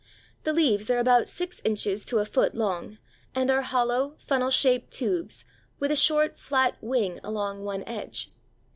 The leaves are about six inches to a foot long, and are hollow, funnel shaped tubes with a short, flat wing along one edge.